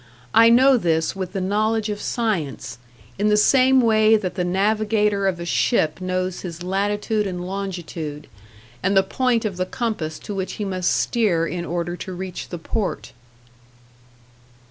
I know this with the knowledge of science in the same way that the navigator of a ship knows his latitude and longitude, and the point of the compass to which he must steer in order to reach the port.